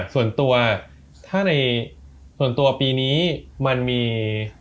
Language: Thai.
ส่วนตัวถ้าในส่วนตัวปีนี้มันมี